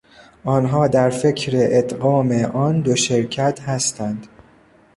آنها در فکر ادغام آن دو شرکت هستند.